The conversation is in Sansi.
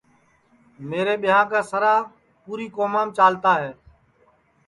میرے ٻیاں کی سَرا پُورے چالتا ہے